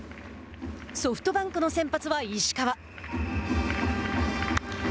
ソフトバンクの先発は石川。